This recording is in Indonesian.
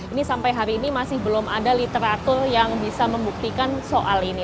ini sampai hari ini masih belum ada literatur yang bisa membuktikan soal ini